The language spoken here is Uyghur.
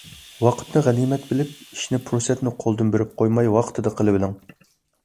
ۋاقىتنى غەنىيمەت بىلىپ، ئىشنى پۇرسەتنى قولدىن بېرىپ قويماي ۋاقتىدا قىلىۋېلىڭ.